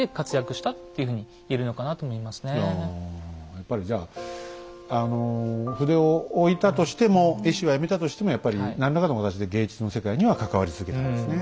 やっぱりじゃあの筆をおいたとしても絵師はやめたとしてもやっぱり何らかの形で芸術の世界には関わり続けたんですね。